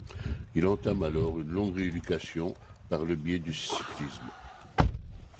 Il entame alors une longue rééducation par le biais du cyclisme.